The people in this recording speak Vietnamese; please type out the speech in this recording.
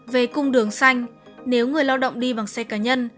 về cung đường xanh nếu người lao động đi bằng xe cá nhân